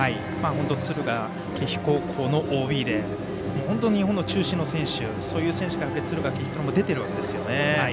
敦賀気比高校のＯＢで本当に日本の中心の選手が敦賀気比からも出ているわけですよね。